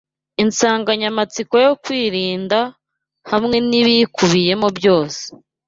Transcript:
Insanganyamatsiko yo kwirinda, hamwe n’ibiyikubiyemo byose